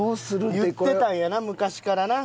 言ってたんやな昔からな。